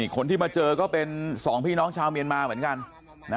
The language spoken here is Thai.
คนที่มาเจอก็เป็น๒พี่น้องชาวเมียนมาเหมือนกัน